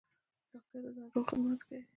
ډاکټر د ناروغ خدمت کوي